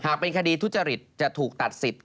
เป็นคดีทุจริตจะถูกตัดสิทธิ์